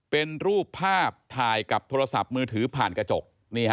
เป็นรูปภาพถ่ายกับโทรศัพท์มือถือผ่านกระจก